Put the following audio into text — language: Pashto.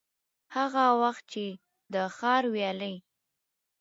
هغه وخت چي د ښار ويالې،